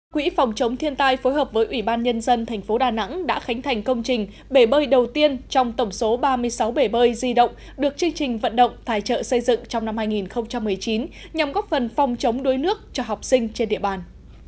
quỹ phòng chống thiên tai phối hợp với ủy ban nhân dân thành phố đà nẵng đã khánh thành công trình bể bơi đầu tiên trong tổng số ba mươi sáu bể bơi di động được chương trình vận động tài trợ xây dựng trong năm hai nghìn một mươi chín nhằm góp phần phòng chống đuối nước cho học sinh trên địa bàn